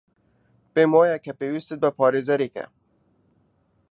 پێم وایە کە پێویستت بە پارێزەرێکە.